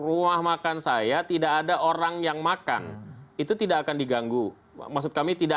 untuk menegakkan betul betul agama kita